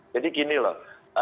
jadi gini loh